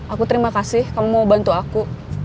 aku terima kasih kamu mau bantu aku